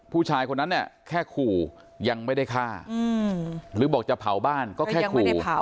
ผู้ชายคนนั้นเนี่ยแค่ขู่ยังไม่ได้ฆ่าหรือบอกจะเผาบ้านก็แค่ขู่